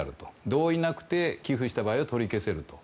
同意なくて寄付した場合は取り消せると。